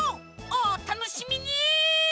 おたのしみに！